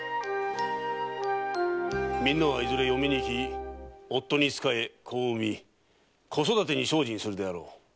みんなはいずれ嫁にいき夫に仕え子を産み子育てに精進するであろう。